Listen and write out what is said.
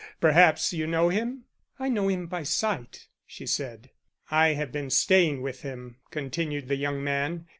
Perhaps you know him?" "I know him by sight," she said. "I have been staying with him," continued the young man.